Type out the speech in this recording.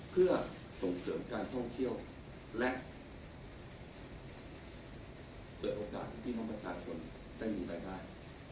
เพื่อส่งเสริมการท่องเที่ยวและเปิดโอกาสให้พี่น้องประชาชนได้มีรายได้